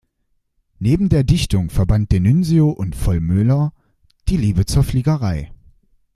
Neben der Dichtung verband D’Annunzio und Vollmoeller die Liebe zur Fliegerei.